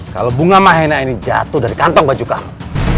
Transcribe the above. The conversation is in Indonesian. kalau bunga mahena ini jatuh dari kantong baju kamu